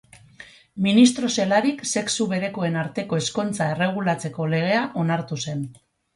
Ministro zelarik sexu berekoen arteko ezkontza erregulatzeko legea onartu zen.